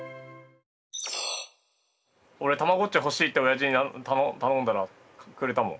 俺「『たまごっち』欲しい」っておやじに頼んだらくれたもん。